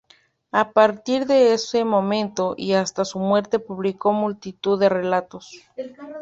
A partir de ese momento y hasta su muerte publicó multitud de relatos.